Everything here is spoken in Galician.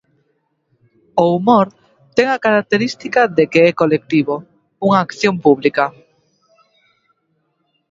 O humor ten a característica de que é colectivo, unha acción pública.